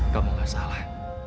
kamu gak salah